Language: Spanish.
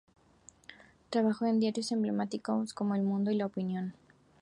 Trabajó en diarios emblemáticos, como "El Mundo" y "La Opinión".